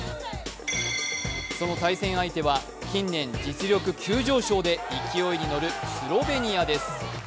その対戦相手は近年、実力急上昇で勢いに乗るスロベニアです。